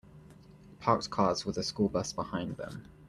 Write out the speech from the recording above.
Parked cars with a school bus behind them.